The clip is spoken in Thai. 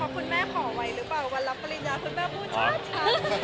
พอคุณแม่ขอไว้หรือเปล่าวันรับรีญญาคุณแม่ผู้ชาติ